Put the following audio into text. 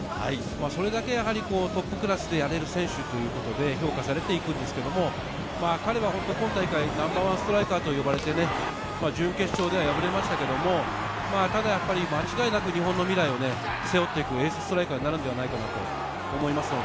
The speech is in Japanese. それだけトップクラスでやれる選手ということで評価されていくんですけど、彼は今大会Ｎｏ．１ストライカーと呼ばれて、準決勝では敗れましたけど、ただ間違いなく日本の未来を背負っていくエースストライカーになるんじゃないかなと思います。